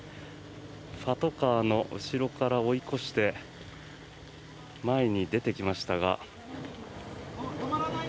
パトカーの後ろから追い越して前に出てきましたが。